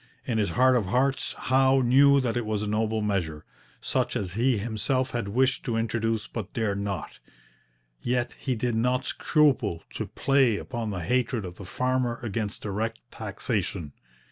In his heart of hearts Howe knew that it was a noble measure, such as he himself had wished to introduce but dared not; yet he did not scruple to play upon the hatred of the farmer against direct taxation.